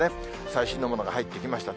最新のものが入ってきました。